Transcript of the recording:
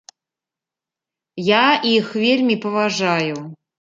Я іх вельмі паважаю.